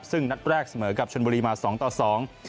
ซึ่งนัดแรกเสมอกับชนบุรีมาสองต่อสอง